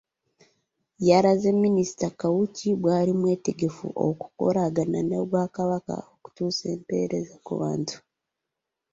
Yalaze Minisita Kawuki bw'ali omwetegefu okukolagana n'Obwakabaka okutuusa empeereza ku bantu